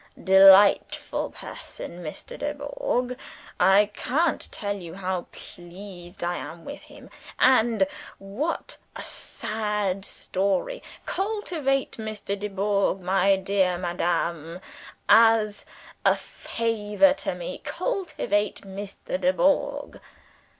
"Delightful person, Mr. Dubourg. I can't tell you how pleased I am with him. And what a sad story! Cultivate Mr. Dubourg, my dear madam. As a favor to Me cultivate Mr. Dubourg!"